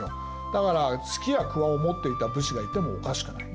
だからすきやくわを持っていた武士がいてもおかしくない。